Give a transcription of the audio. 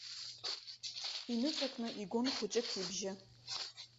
Иныҵакны игон хәыҷык ибжьы.